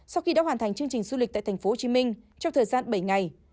sau khi đã hoàn thành chương trình du lịch tại tp hcm trong thời gian bảy ngày